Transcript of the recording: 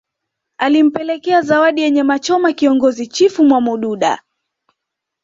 Alimpelekea zawadi ya nyamachoma kiongozi Chifu Mwamududa